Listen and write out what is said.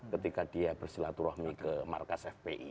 ketika dia bersilaturahmi ke markas fpi